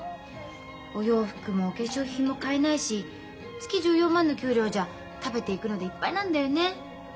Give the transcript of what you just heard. お洋服もお化粧品も買えないし月１４万の給料じゃ食べていくのでいっぱいなんだよね。